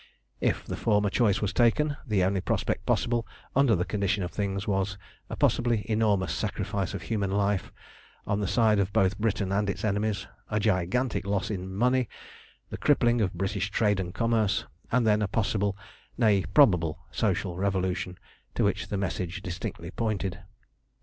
If the former choice were taken, the only prospect possible under the condition of things was a possibly enormous sacrifice of human life on the side of both Britain and its enemies, a gigantic loss in money, the crippling of British trade and commerce, and then a possible, nay probable, social revolution to which the message distinctly pointed.